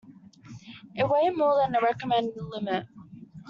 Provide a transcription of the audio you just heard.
It weighed more than the recommended limit.